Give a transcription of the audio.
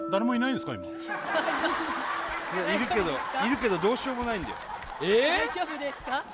いやいるけどいるけどどうしようもないんだよえっ？